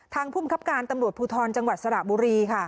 ภูมิครับการตำรวจภูทรจังหวัดสระบุรีค่ะ